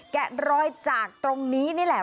แกะรอยจากตรงนี้นี่แหละ